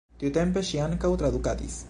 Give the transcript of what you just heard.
Tiutempe ŝi ankaŭ tradukadis.